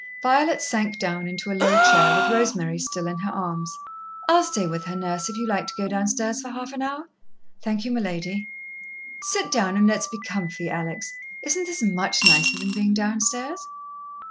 Violet sank down into a low chair, with Rosemary still in her arms. "I'll stay with her, Nurse, if you like to go downstairs for half an hour." "Thank you, my lady." "Sit down and let's be comfy, Alex. Isn't this much nicer than being downstairs?"